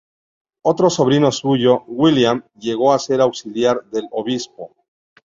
Otro sobrino suyo, William, llegó a ser el auxiliar del obispo.